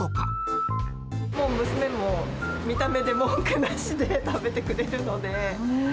もう娘も、見た目で文句なしで食べてくれるので。